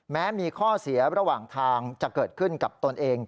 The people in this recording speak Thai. แม้มีข้อเสียระหว่างทางจะเกิดขึ้นกับตนเอง